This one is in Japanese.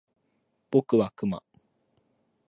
僕はクマ